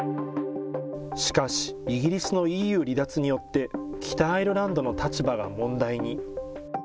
しかし、イギリスのＥＵ離脱によって北アイルランドの立場が問題に。